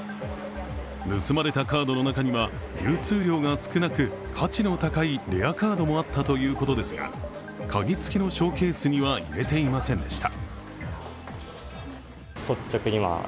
盗まれたカードの中には流通量が少なく価値の高いレアカードもあったということですが、鍵付きのショーケースには入れていませんでした。